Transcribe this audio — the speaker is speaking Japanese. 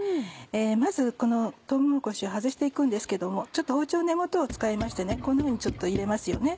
まずこのとうもろこしを外して行くんですけども包丁の根元を使いましてこんなふうに入れます。